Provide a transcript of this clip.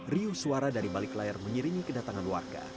riuh suara dari balik layar mengiringi kedatangan warga